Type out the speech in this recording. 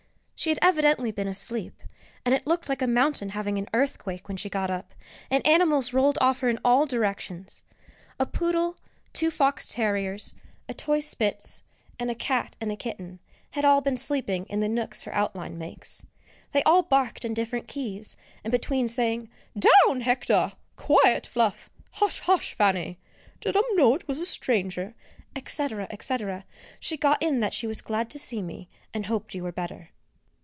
She had evidently been asleep, and it looked like a mountain having an earthquake when she got up, and animals rolled off her in all directions. A poodle, two fox terriers, a toy Spitz, and a cat and kitten, had all been sleeping in the nooks her outline makes. They all barked in different keys, and between saying, "Down, Hector!" "Quiet, Fluff!" "Hush, hush, Fanny!" "Did um know it was a stranger?" etc., etc., she got in that she was glad to see me, and hoped you were better.